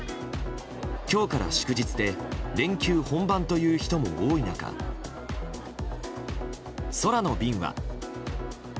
今日から祝日で連休本番という人も多い中空の便は。